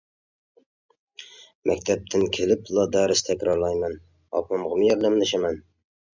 مەكتەپتىن كېلىپلا دەرس تەكرارلايمەن، ئاپامغىمۇ ياردەملىشىمەن.